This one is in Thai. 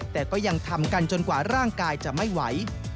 แต่ก็ยังทำกันจนกว่าร่างกายจะไม่ไหว